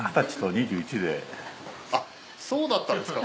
そうだったんですか。